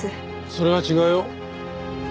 それは違うよ。